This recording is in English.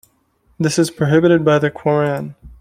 This is prohibited by the Quran.